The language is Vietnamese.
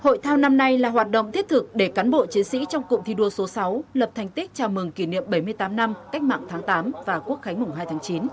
hội thao năm nay là hoạt động thiết thực để cán bộ chiến sĩ trong cụm thi đua số sáu lập thành tích chào mừng kỷ niệm bảy mươi tám năm cách mạng tháng tám và quốc khánh mùng hai tháng chín